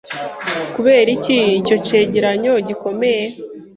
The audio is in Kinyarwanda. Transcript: Kubera iki ico cegeranyo gikomeye?